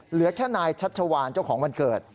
เหลือแค่นายชัชวานเจ้าของวันเกิด